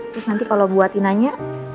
terus nanti kalau buatinanya